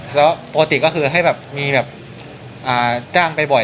แล้วปกติก็คือให้แบบมีแบบจ้างไปบ่อย